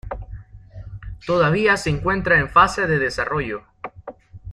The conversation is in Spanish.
Todavía se encuentra en fase de desarrollo.